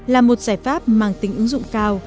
là một giải pháp mang tính ứng dụng cao